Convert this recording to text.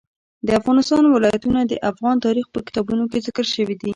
د افغانستان ولايتونه د افغان تاریخ په کتابونو کې ذکر شوی دي.